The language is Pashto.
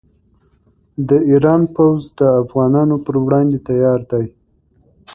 د ایران پوځ د افغانانو پر وړاندې تیار دی.